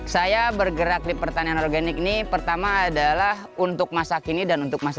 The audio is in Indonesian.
saya bergerak di pertanian organik ini pertama adalah untuk masa kini dan untuk masa